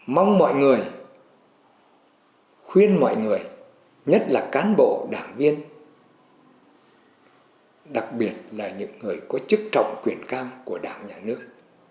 mong mọi người khuyên mọi người nhất là cán bộ đảng viên đặc biệt là những người có chức trọng quyền cam của đảng nhà nước